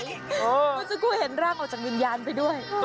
ก็จะกลัวเห็นร่างออกจากวิญญาณไปด้วย